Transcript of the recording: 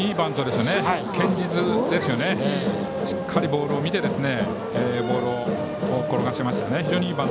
しっかりボールを見てボールを転がしましたね。